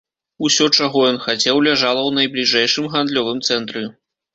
Усё, чаго ён хацеў, ляжала ў найбліжэйшым гандлёвым цэнтры.